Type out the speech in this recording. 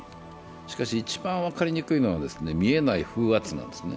しかし一番分かりにくいのは見えない封圧なんです。